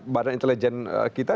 badan intelijen kita